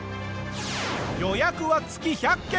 予約は月１００件。